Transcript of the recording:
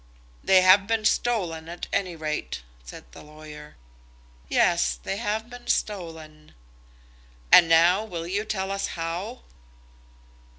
"They have been stolen, at any rate," said the lawyer. "Yes; they have been stolen." "And now will you tell us how?"